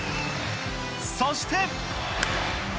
そして。